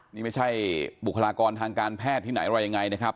นี่ไม่ใช่บุคลากรทางการแพทย์ที่ไหนอะไรยังไงนะครับ